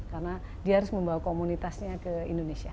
karena dia harus membawa komunitasnya ke indonesia